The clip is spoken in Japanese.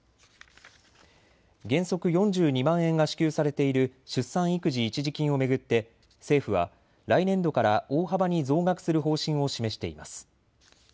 原則４２万円が支給されている出産育児一時金を巡って政府は来年度から大幅に増額する方針を示しています。